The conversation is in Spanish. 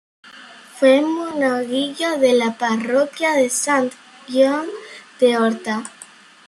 Fue monaguillo de la parroquia de Sant Joan de Horta.